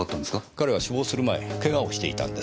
彼は死亡する前ケガをしていたんです。